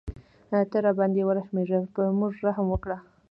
ته راباندې ورحمېږه په موږ رحم وکړه.